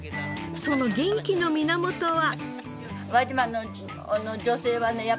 その元気の源は。